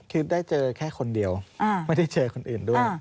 คือได้เจอแค่คนเดียวไม่ได้เจอคนอื่นด้วย